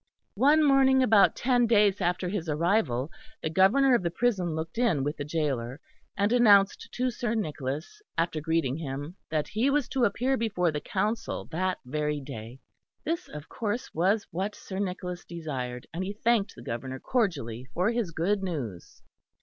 One morning about ten days after his arrival the Governor of the prison looked in with the gaoler, and announced to Sir Nicholas, after greeting him, that he was to appear before the Council that very day. This, of course, was what Sir Nicholas desired, and he thanked the Governor cordially for his good news.